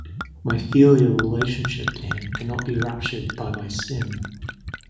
My filial relationship to him cannot be ruptured by my sin.